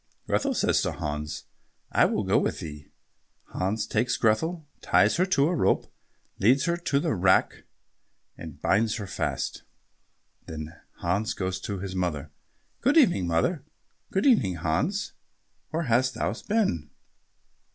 Grethel says to Hans, "I will go with thee." Hans takes Grethel, ties her to a rope, leads her to the rack and binds her fast. Then Hans goes to his mother. "Good evening, mother." "Good evening, Hans. Where hast thou been?"